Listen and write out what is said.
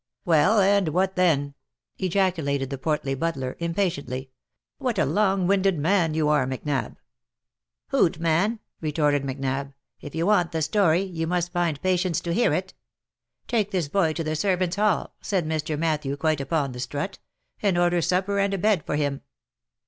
" Well ! and what then?'* ejaculated the portly butler, impa tiently. " What a long winded man you are, Macnab." " Hoot, man !" retorted Macnab, " if you want the story, you must just find patience to hear it. 'Take this boy to the servants' hall,' said Sir Matthew, quite upon the strut, ' and order supper and a bed for him.'